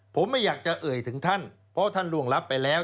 ผมไม่อยากจะเอ่ยถึงท่านเพราะท่านล่วงรับไปแล้ว